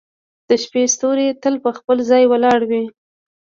• د شپې ستوري تل په خپل ځای ولاړ وي.